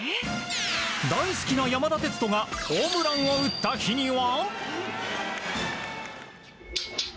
大好きな山田哲人がホームランを打った日には。